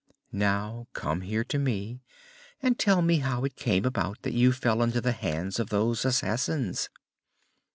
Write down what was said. "Now, come here to me and tell me how it came about that you fell into the hands of those assassins."